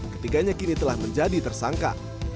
ketiganya kini telah menjadi tersangka